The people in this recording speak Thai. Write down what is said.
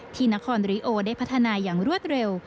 ที่นครริโอได้พัฒนาอย่างรวดเร็ว